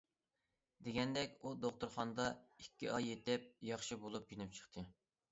دېگەندەك ئۇ دوختۇرخانىدا ئىككى ئاي يېتىپ ياخشى بولۇپ، يېنىپ چىقتى.